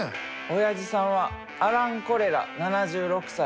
おやじさんはアラン・コレラ７６歳。